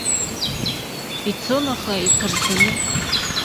Ицон, аха иԥырӡаны.